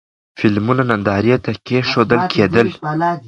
فلمونه نندارې ته کېښودل کېدل.